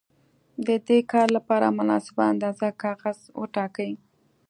د دې کار لپاره مناسبه اندازه کاغذ وټاکئ.